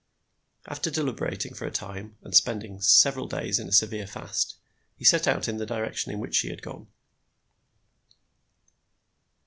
After deliberating for a time and spending several days in a severe fast, he set out in the direction in which she had gone.